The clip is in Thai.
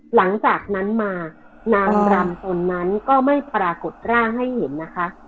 หลังจากนั้นมานางรำตนนั้นก็ไม่ปรากฏร่างให้เห็นนะคะ